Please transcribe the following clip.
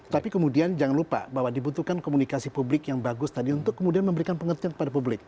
tapi kemudian jangan lupa bahwa dibutuhkan komunikasi publik yang bagus tadi untuk kemudian memberikan pengertian kepada publik